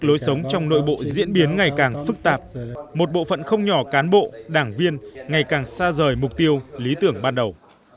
lối sống trong nội bộ diễn biến ngày càng phức tạp một bộ phận không nhỏ cán bộ đảng viên ngày càng xa rời mục tiêu lý tưởng ban đầu